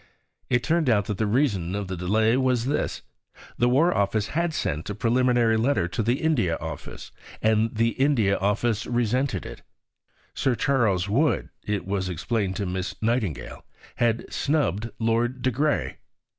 '" It turned out that the reason of the delay was this: the War Office had sent a preliminary letter to the India Office, and the India Office resented it. Sir Charles Wood, it was explained to Miss Nightingale, had "snubbed" Lord de Grey.